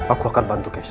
aku akan bantu keisha